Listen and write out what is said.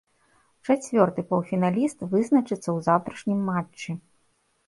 Чацвёрты паўфіналіст вызначыцца ў заўтрашнім матчы.